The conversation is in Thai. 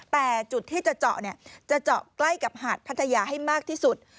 แต่จุดที่จะเจาะเนี่ยจะเจาะใกล้กับหาดพัทยาให้มากที่สุด